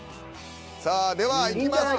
さあではいきますか。